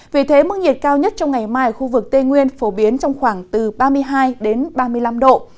vì thế mức nhiệt cao nhất trong ngày mai ở khu vực tây nguyên phổ biến trong khoảng từ ba mươi hai ba mươi năm độ